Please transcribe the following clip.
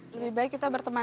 lebih baik kita bertemu lagi